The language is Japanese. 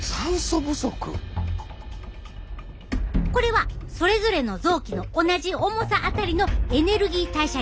これはそれぞれの臓器の同じ重さあたりのエネルギー代謝率。